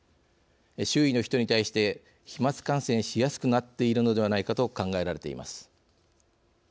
周囲の人に対して飛まつ感染しやすくなっているのではないかと考えられています。